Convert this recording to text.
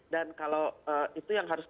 dan kalau itu yang harus